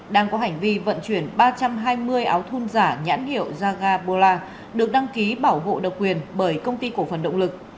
đang có hành vi vận chuyển ba trăm hai mươi áo thun giả nhãn hiệu jagabola được đăng ký bảo hộ độc quyền bởi công ty cổ phần động lực